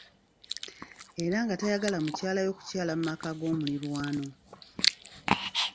Era nga tayagala mukyala we kukyaala mu maka g'okumirirwano.